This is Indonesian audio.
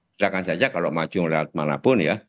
silakan saja kalau maju melalui mana pun ya